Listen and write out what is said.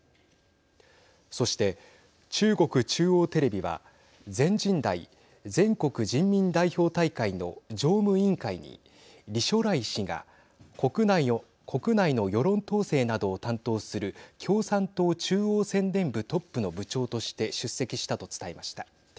そして、中国中央テレビは全人代＝全国人民代表大会の常務委員会に李書磊氏が国内の世論統制などを担当する共産党中央宣伝部トップの部長として出席したと伝えました。